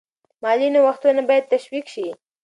مالي نوښتونه باید تشویق شي.